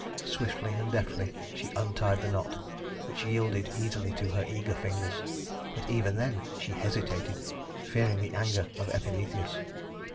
Swiftly and deftly she untied the knot, which yielded easily to her eager fingers; but even then she hesitated, fearing the anger of Epimetheus.